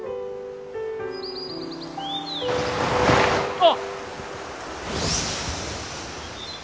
あっ！